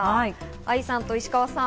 愛さんと石川さん。